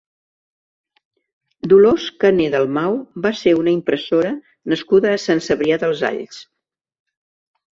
Dolors Cané Dalmau va ser una impressora nascuda a Sant Cebrià dels Alls.